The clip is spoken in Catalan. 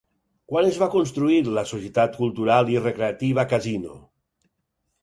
Quan es va construir la Societat Cultural i Recreativa Casino?